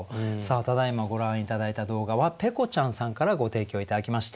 ただいまご覧頂いた動画はぺこちゃんさんからご提供頂きました。